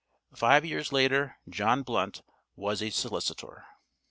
Five years later John Blunt was a solicitor.